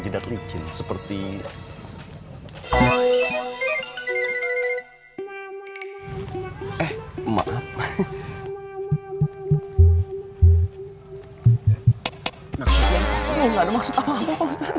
lihat licin seperti eh maaf enggak ada maksud apa apa